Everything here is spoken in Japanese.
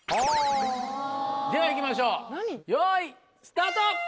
ではいきましょう用意スタート！